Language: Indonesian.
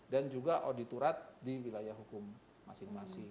dan juga auditorat di wilayah hukum masing masing